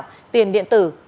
tiền ảo tiền điện tử